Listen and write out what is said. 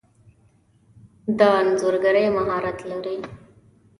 د انځورګری مهارت لرئ؟